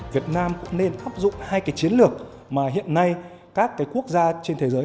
việt nam cũng nên áp dụng hai cái chiến lược mà hiện nay các quốc gia trên thế giới